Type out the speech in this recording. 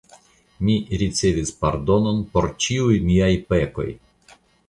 Mi ricevis pardonon por ĉiuj miaj pekoj!